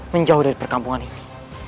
menjauh dari perkampungan ini